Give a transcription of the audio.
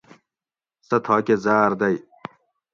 سہ تھاکہ زاۤر دئی